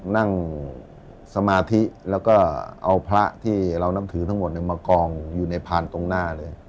นั่งสมาธิแล้วก็เอาพระที่เรานับถือทั้งหมดมากองอยู่ในพานตรงหน้าเลย